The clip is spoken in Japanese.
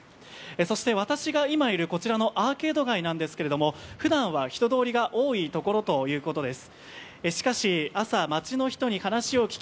そして私が今いるこちらのアーケード街なんですけれども、普段は人通りが多いところということです。